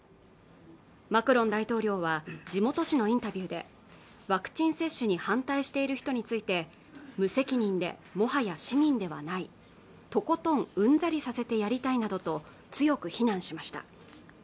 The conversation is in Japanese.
マクロン大統領は地元紙のインタビューでワクチン接種に反対している人について無責任でもはや市民ではないとことんうんざりさせてやりたいなどと強く非難しました